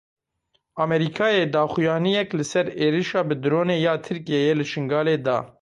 Amerîkayê daxuyaniyek li ser êrişa bi dronê ya Tirkiyeyê li Şingalê da.